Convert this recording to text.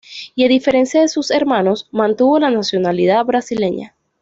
Y a diferencia de sus hermanos, mantuvo la nacionalidad brasileña.